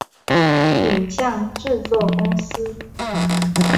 影像制作公司